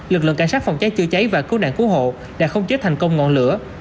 lực lượng cảnh sát phòng cháy chữa cháy và cứu nạn cứu hồ đã không chết thành công ngọn lửa